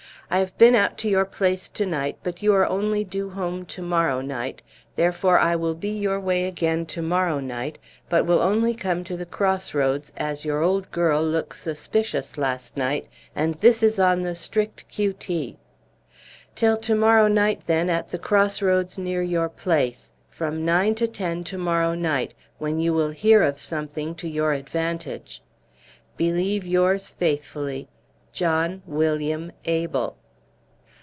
"I have been out to your place to night, but you are only due home to morrow night, therefore I will be your way again to morrow night, but will only come to the cross roads as your old girl look suspichious last night and this is on the strickt Q.T. "Till to morrow night then at the cross roads near your place, from nine to ten to morrow night, when you will here of something to your advantage. "Believe your's faithly, "JOHN WILLIAM ABEL."